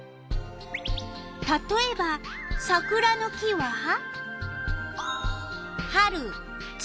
たとえばサクラの木は？